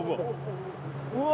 うわ！